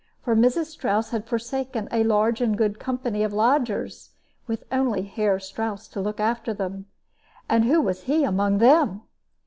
For Mrs. Strouss had forsaken a large and good company of lodgers, with only Herr Strouss to look after them and who was he among them?